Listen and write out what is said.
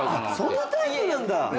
そんなタイプなんだ？